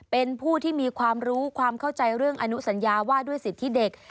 เป็นผู้ที่มีความรู้ความเข้าใจเรื่องอนุสัญญาว่าด้วยสิทธิเด็ก